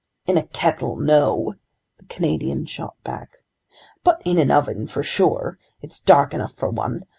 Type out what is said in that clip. "In a kettle, no," the Canadian shot back, "but in an oven for sure. It's dark enough for one.